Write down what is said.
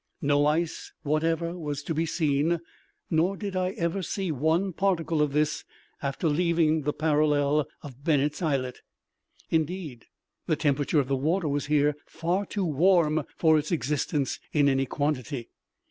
No ice whatever was to be seen; _nor did I ever see one particle of this after leaving the parallel of Bennet's Islet._Indeed, the temperature of the water was here far too warm for its existence in any quantity.